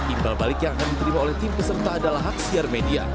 imbal balik yang akan diterima oleh tim peserta adalah hak siar media